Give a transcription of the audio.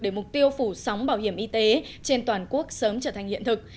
để mục tiêu phủ sóng bảo hiểm y tế trên toàn quốc sớm trở thành hiện thực